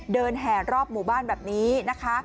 แห่รอบหมู่บ้านแบบนี้นะคะ